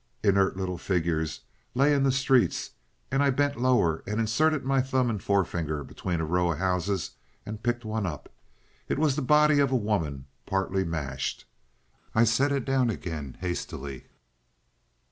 Inert little figures lay in the streets, and I bent lower and inserted my thumb and forefinger between a row of houses and picked one up. It was the body of a woman, partly mashed. I set it down again hastily.